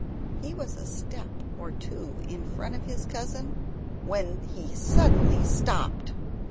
He was a step or two in front of his cousin when he suddenly stopped.